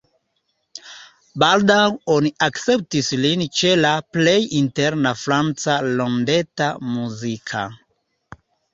Baldaŭ oni akceptis lin ĉe la plej interna franca rondeto muzika.